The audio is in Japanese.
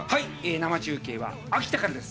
生中継は、秋田からです。